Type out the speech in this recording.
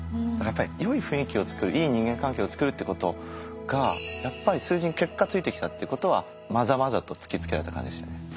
だからやっぱりよい雰囲気をつくるいい人間関係をつくるってことがやっぱり数字に結果ついてきたってことはまざまざと突きつけられた感じですよね。